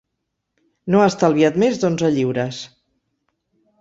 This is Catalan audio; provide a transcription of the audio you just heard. No ha estalviat més d'onze lliures.